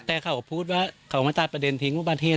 แต่เขาพูดว่าเขาไม่ต้องประเด็นทิ้งว่าบ้านเหศษ